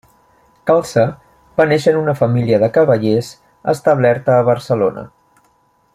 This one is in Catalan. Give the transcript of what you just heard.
Calça va néixer en una família de cavallers establerta a Barcelona.